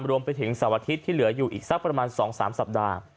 รวมไปถึงเสาร์อาทิตย์ที่เหลืออยู่อีกสักประมาณ๒๓สัปดาห์